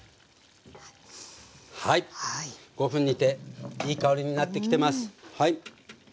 はい５分煮ていい香りになってきてます。